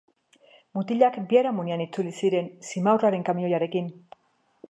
Mutilak biharamunean itzuli ziren, simaurraren kamioiarekin.